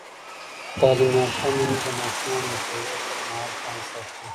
تعلیم یافته میندې د ماشومانو د خوړو پر مهال پام ساتي.